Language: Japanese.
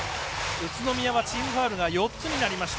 宇都宮はチームファウルが４つになりました。